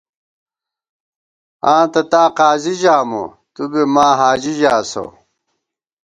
آں تہ تاں قاضی ژامہ تُو بی ماں حاجی ژاسہ